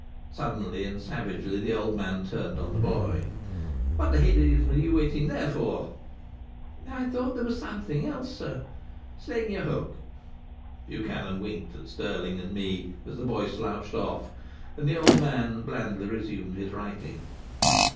Suddenly and savagely the old man turned on the boy: "What the hades are you waiting there for?" "I thought there was something else, sir." "Sling your hook." Buchanan winked at Stirling and me as the boy slouched off and the old man blandly resumed his writing.